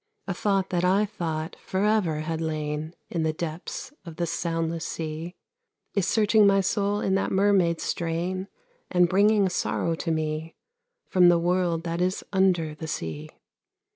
A thought that I thought forever had lain In the depths of the soundless sea Is searching my soul in that mermaid's strain And bringing a sorrow to me From the world that is under the sea.